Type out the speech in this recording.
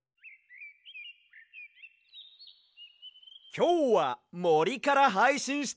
きょうはもりからはいしんしてるＹＯ！